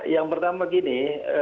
yang pertama gini